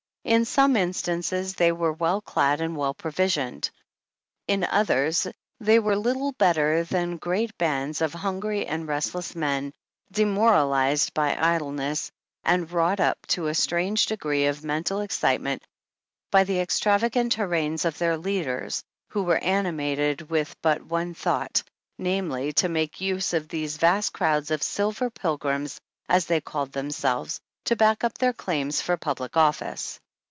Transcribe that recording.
In some instances they were well clad and well provisioned ; in others, they were little better than great bands of hungry and restless men, demoralized by idleness and wrought up to a strange degree of mental excitement by the extravagant harangues of their leaders, who were animated with but one thought, namely, to make use of these vast crowds of Silver Pilgrims, as they called themselves, to back up their claims for public office.